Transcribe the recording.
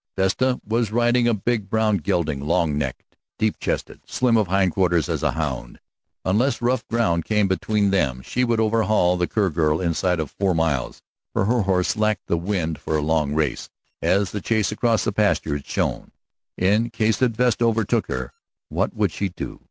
Vesta was riding a big brown gelding, long necked, deep chested, slim of hindquarters as a hound. Unless rough ground came between them she would overhaul that Kerr girl inside of four miles, for her horse lacked the wind for a long race, as the chase across the pasture had shown. In case that Vesta overtook her, what would she do?